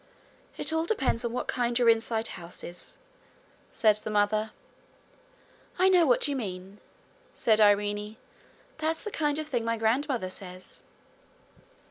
'It all depends on what kind your inside house is,' said the mother. 'I know what you mean,' said Irene. 'That's the kind of thing my grandmother says.'